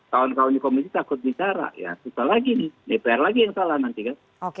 kawan kawan di komisi takut bicara ya susah lagi nih dpr lagi yang salah nanti kan